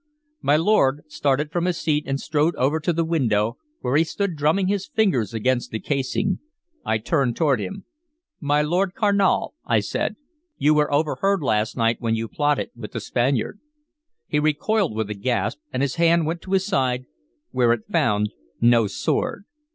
My lord started from his seat and strode over to the window, where he stood drumming his fingers against the casing. I turned toward him. "My Lord Carnal," I said, "you were overheard last night when you plotted with the Spaniard." He recoiled with a gasp, and his hand went to his side, where it found no sword.